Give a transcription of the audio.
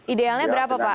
idealnya berapa pak